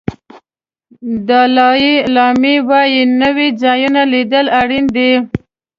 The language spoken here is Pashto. دالای لاما وایي نوي ځایونه لیدل اړین دي.